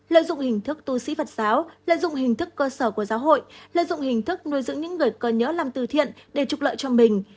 lợi dụng hình thức tu sĩ phật giáo lợi dụng hình thức cơ sở của giáo hội lợi dụng hình thức nuôi dưỡng những người cơ nhớ làm từ thiện để trục lợi cho mình